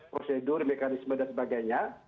prosedur mekanisme dan sebagainya